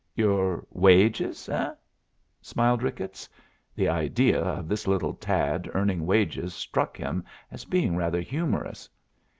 "Your wages, eh?" smiled Ricketts. The idea of this little tad earning wages struck him as being rather humorous.